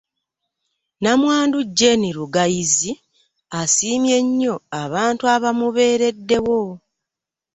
Namwandu Jane Lugayizi asiimye nnyo abantu abamubeereddewo